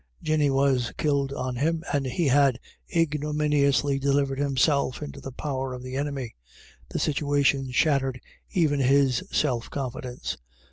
Jinny was killed on him, and he had ignominiously delivered himself into the power of the enemy ; the situation shattered even his self confidence.